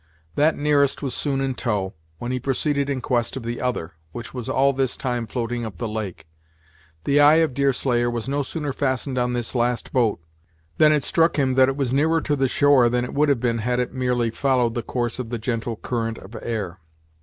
That nearest was soon in tow, when he proceeded in quest of the other, which was all this time floating up the lake. The eye of Deerslayer was no sooner fastened on this last boat, than it struck him that it was nearer to the shore than it would have been had it merely followed the course of the gentle current of air.